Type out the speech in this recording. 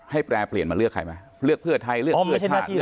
แปรเปลี่ยนมาเลือกใครไหมเลือกเพื่อไทยเลือกเพื่อชาติ